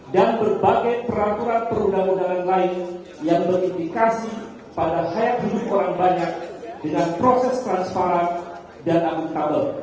dan berbagai peraturan perundang undangan lain yang berindikasi pada hayat hidup orang banyak dengan proses transparan dan amuntabel